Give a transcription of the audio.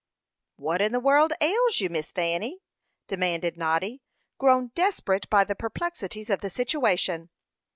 "What in the world ails you, Miss Fanny?" demanded Noddy, grown desperate by the perplexities of the situation.